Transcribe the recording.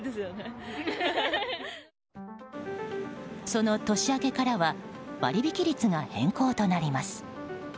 その年明けからは割引率が変更となります。